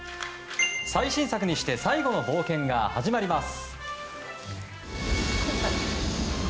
最新作にして最後の冒険が始まります。